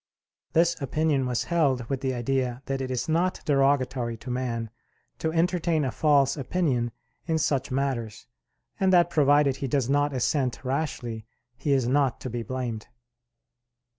This opinion was held with the idea that it is not derogatory to man to entertain a false opinion in such matters, and that provided he does not assent rashly, he is not to be blamed.